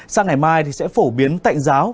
sao ngày mai thì sẽ phổ biến tạnh giáo